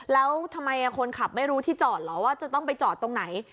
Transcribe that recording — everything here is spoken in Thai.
แล้วทำไมคนขับไม่รู้ที่จอดเหรอว่าจะต้องไปจอดตรงไหน